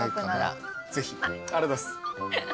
ありがとうございます。